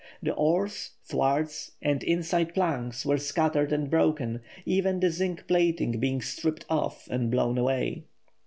The oars, thwarts, and inside planks were scattered and broken, even the zinc plating being stripped off and blown away.